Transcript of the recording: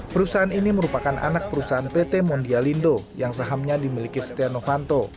perusahaan ini merupakan anak perusahaan pt mondialindo yang sahamnya dimiliki setia novanto